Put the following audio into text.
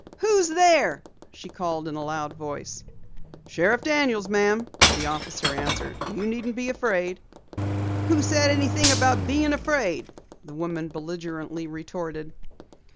"Who's there?" she called in a loud voice. "Sheriff Daniels, ma'am," the officer answered. "You needn't be afraid." "Who said anything about bein' afraid?" the woman belligerently retorted.